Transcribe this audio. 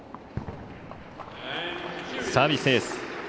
サービスエース。